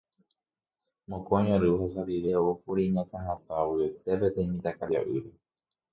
Mokõi ary ohasa rire oúkuri iñakãtavyete peteĩ mitãkaria'ýre.